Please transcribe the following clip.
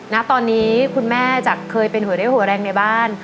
ณตอนนี้คุณแม่จากเคยเป็นหัวเรี่ยวหัวแรงในบ้าน